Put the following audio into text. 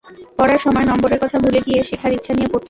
পড়ার সময় নম্বরের কথা ভুলে গিয়ে শেখার ইচ্ছা নিয়ে পড়তে হবে।